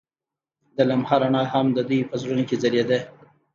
د لمحه رڼا هم د دوی په زړونو کې ځلېده.